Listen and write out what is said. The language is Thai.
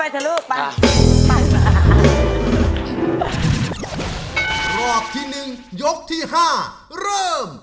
จังเกงครับ